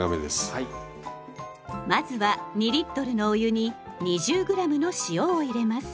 まずは２のお湯に２０ｇの塩を入れます。